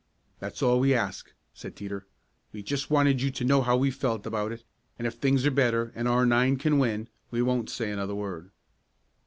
"That's all we ask," said Teeter. "We just wanted you to know how we felt about it, and if things are better and our nine can win, we won't say another word."